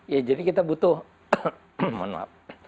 ya jadi kita butuh mohon maaf